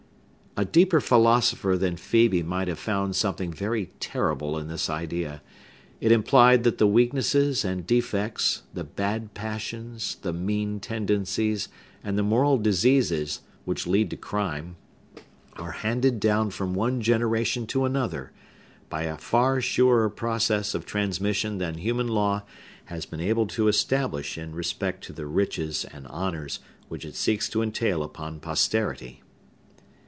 A deeper philosopher than Phœbe might have found something very terrible in this idea. It implied that the weaknesses and defects, the bad passions, the mean tendencies, and the moral diseases which lead to crime are handed down from one generation to another, by a far surer process of transmission than human law has been able to establish in respect to the riches and honors which it seeks to entail upon posterity.